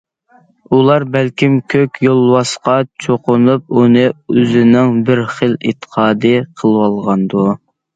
ئۇلار بەلكىم كۆك يولۋاسقا چوقۇنۇپ ئۇنى ئۆزىنىڭ بىر خىل ئېتىقادى قىلىۋالغاندۇ.